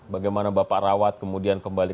bagaimana bapak rawat kemudian kembali